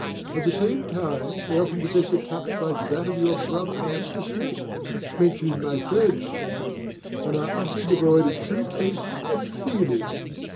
At the same time, they often possess a touch like that of your brother, Mr. Strict, mentioned in my third chapter, and are utterly devoid of true taste and feeling.